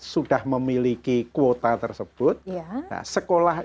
sudah memiliki kuota tersebut sekolah